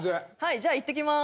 じゃあ行ってきまーす！